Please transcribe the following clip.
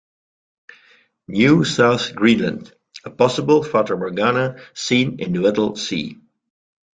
New South Greenland, a possible Fata Morgana seen in the Weddell Sea.